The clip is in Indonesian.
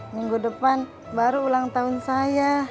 minggu depan baru ulang tahun saya